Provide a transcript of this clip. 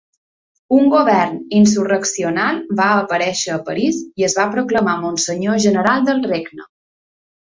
Un govern insurreccional va aparèixer a París i es va proclamar monsenyor general del regne.